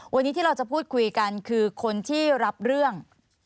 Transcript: วันนี้ที่เราจะพูดคุยกันคือคนที่รับเรื่อง